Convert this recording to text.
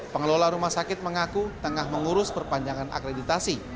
pengelola rumah sakit mengaku tengah mengurus perpanjangan akreditasi